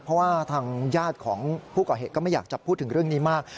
เพราะว่าทางญาติของผู้ก่อเหตุก็ไม่อยากจะพูดถึงเรื่องนี้มาก